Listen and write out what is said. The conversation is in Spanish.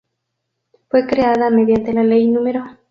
Fue creada mediante la Ley No.